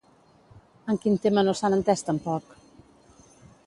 En quin tema no s'han entès tampoc?